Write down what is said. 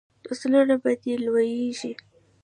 نسلونه په دې لویږي.